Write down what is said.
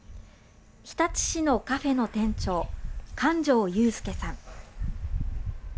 日立市のカフェの店長神定祐亮さん。